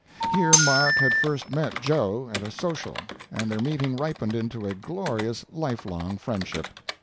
Here Mark had first met "Joe" at a social, and their meeting ripened into a glorious, life long friendship.